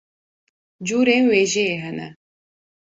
curên wêjeyê hene.